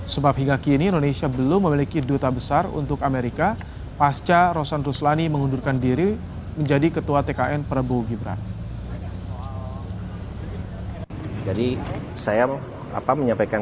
sebab hingga kini indonesia belum memiliki duta besar untuk amerika pasca rosan ruslani mengundurkan diri menjadi ketua tkn prabowo gibran